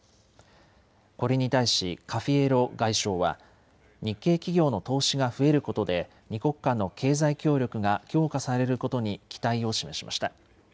これに対しカフィエロ外相は日系企業の投資が増えることで２国間の経済協力が強化されることに期待を示しました。